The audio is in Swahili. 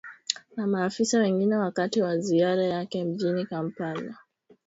na maafisa wengine wakati wa ziara yake mjini kampala